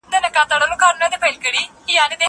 زه اوس اوبه پاکوم!